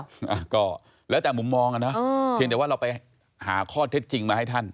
อ่าก็แล้วแต่มุมมองอ่ะเนอะเพียงแต่ว่าเราไปหาข้อเท็จจริงมาให้ท่าน